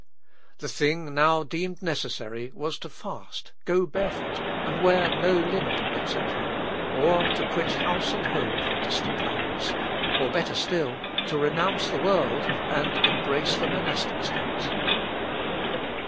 The thing now deemed necessary was to fast, go barefoot, and wear no linen, etc., or to quit house and home for distant lands, or, better still, to renounce the world and embrace the monastic state!